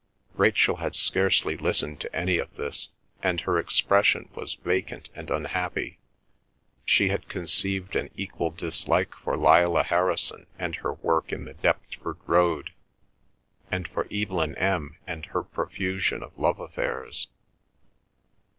Rachel had scarcely listened to any of this, and her expression was vacant and unhappy. She had conceived an equal dislike for Lillah Harrison and her work in the Deptford Road, and for Evelyn M. and her profusion of love affairs.